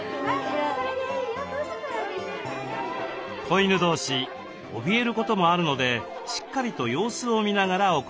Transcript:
子犬同士おびえることもあるのでしっかりと様子を見ながら行います。